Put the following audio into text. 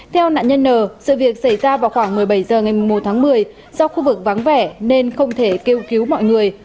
theo nạn nhân n sự việc xảy ra vào khoảng một mươi bảy h ngày một tháng một mươi do khu vực vắng vẻ nên không thể kêu cứu mọi người